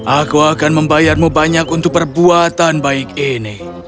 aku akan membayarmu banyak untuk perbuatan baik ini